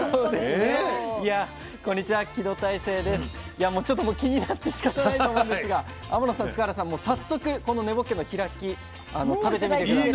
いやもうちょっと気になってしかたないと思うんですが天野さん塚原さんも早速この根ぼっけの開き食べてみて下さい。